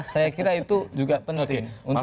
saya kira itu juga penting